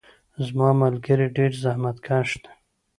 زما ملګري ډیر زحمت کش دي.